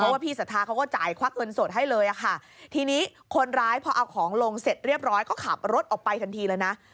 ว่าพี่สัทธาเขาก็จ่ายควักเงินสดให้เลยค่ะทีนี้คนร้ายพอเอาของลงเสร็จเรียบร้อยก็ขับรถออกไปทันทีเลยนะ